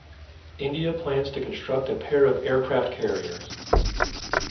India plans to construct a pair of aircraft carriers.